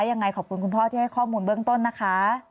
ยังไงขอบคุณคุณพ่อที่ให้ข้อมูลเบื้องต้นนะคะ